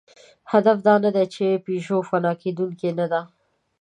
هدف دا نهدی، چې پيژو فنا کېدونکې نهده.